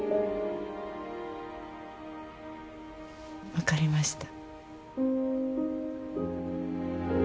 分かりました。